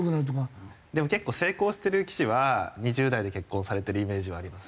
でも結構成功してる棋士は２０代で結婚されてるイメージはあります。